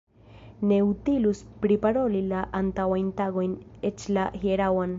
Ne utilus priparoli la antaŭajn tagojn, eĉ la hieraŭan.